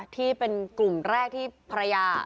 ที่เป็นกลุ่มแรกที่ภรรยา